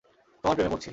তোমার প্রেমে পড়ছি।